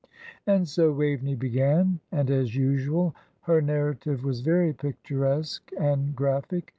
And so Waveney began; and as usual her narrative was very picturesque and graphic.